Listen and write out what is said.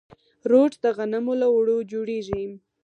روټ د غنمو له اوړو جوړیږي.